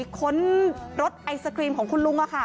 ค้นรถไอศครีมของคุณลุง